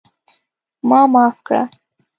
ما معاف کړه!